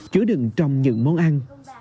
chứa đựng trong những món ăn